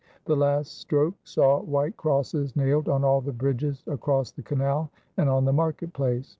The last stroke saw white crosses nailed on all the bridges across the canal and on the market place.